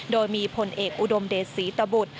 โดยมีผลเอกอุดมเดชศรีตบุตร